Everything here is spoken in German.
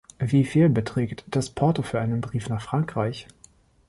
Wieviel beträgt das Porto für einen Brief nach Frankreich?